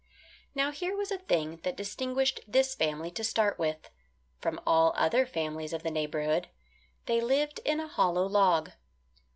Now here was a thing that distinguished this family to start with, from all other families of the neighbourhood they lived in a hollow log.